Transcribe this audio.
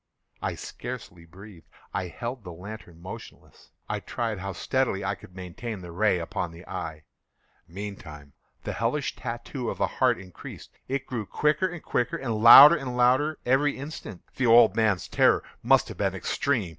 I scarcely breathed. I held the lantern motionless. I tried how steadily I could maintain the ray upon the eve. Meantime the hellish tattoo of the heart increased. It grew quicker and quicker, and louder and louder every instant. The old man's terror must have been extreme!